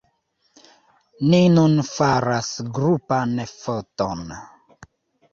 Ni nun faras grupan foton